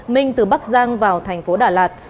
minh từ bắc giang vào tp đà lạt